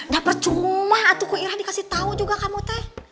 dapat cuma aku ke iran dikasih tahu juga kamu teh